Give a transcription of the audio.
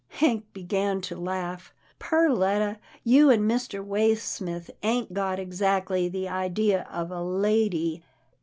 Hank began to laugh. " Perletta, you and Mr. Waysmith ain't got exactly the idea of a lady.